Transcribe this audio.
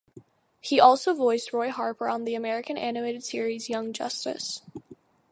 He also voiced Roy Harper on the American animated series "Young Justice".